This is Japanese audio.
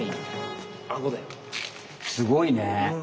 すごいね。